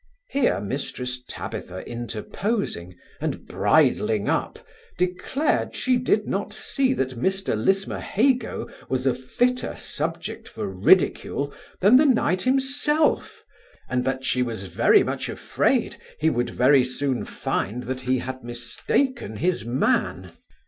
Here Mrs Tabitha interposing, and bridling up, declared, she did not see that Mr Lismahago was a fitter subject for ridicule than the knight himself; and that she was very much afraid, he would very soon find he had mistaken his man.